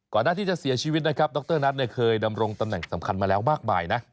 หน้าที่จะเสียชีวิตนะครับดรนัทเนี่ยเคยดำรงตำแหน่งสำคัญมาแล้วมากมายนะ